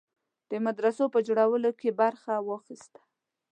د مدرسو په جوړولو کې برخه واخیسته.